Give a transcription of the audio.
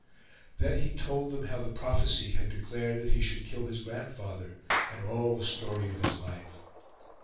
Then he told them how the prophecy had declared that he should kill his grandfather, and all the story of his life.